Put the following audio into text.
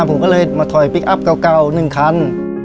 ผมก็เลยมาถอยพลิกอัพเก่า๑คัน